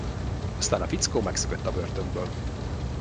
Aztán a fickó megszökött a börtönből.